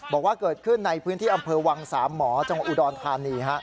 บอกว่าเกิดขึ้นในพื้นที่อำเภอวังสามหมอจังหวัดอุดรธานี